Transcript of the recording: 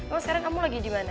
emang sekarang kamu lagi di mana